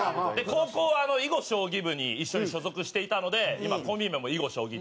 高校は囲碁・将棋部に一緒に所属していたので今コンビ名も囲碁将棋。